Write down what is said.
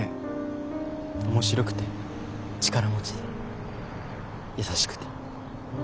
面白くて力持ちで優しくて。